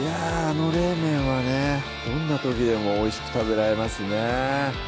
あの冷麺はねどんな時でもおいしく食べられますね